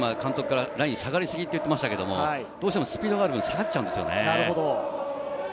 監督からラインが下がりすぎと言っていましたが、スピードがあるので、下がっちゃうんですよね。